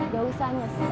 gak usah nyesel